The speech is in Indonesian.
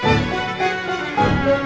gimana kita akan menikmati rena